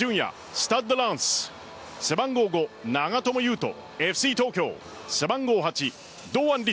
スタッドランス背番号５・長友佑都ＦＣ東京背番号８・堂安律